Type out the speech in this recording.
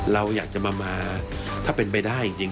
เราอยากจะมาถ้าเป็นไปได้จริง